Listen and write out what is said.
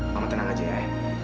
mama tenang aja ya